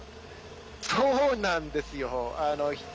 そうなんですよ。